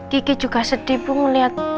kiki juga sedih ibu ngeliat